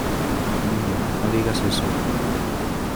¡ niña, no digas eso!...